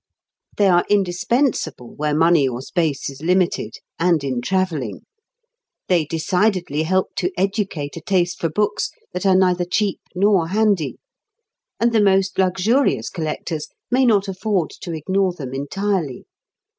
They are indispensable where money or space is limited, and in travelling. They decidedly help to educate a taste for books that are neither cheap nor handy; and the most luxurious collectors may not afford to ignore them entirely.